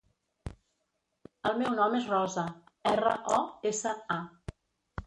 El meu nom és Rosa: erra, o, essa, a.